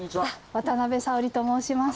渡辺早織と申します。